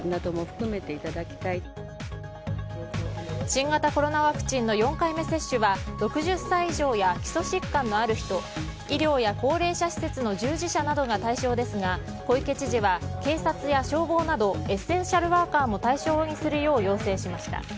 新型コロナワクチンの４回目接種は６０歳以上や基礎疾患のある人医療や高齢者施設の従事者などが対象ですが小池知事は警察や消防などエッセンシャルワーカーも対象にするよう要請しました。